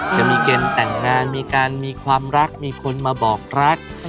จะมีเกณฑ์แต่งงานมีการมีความรักมีคนมาบอกรัก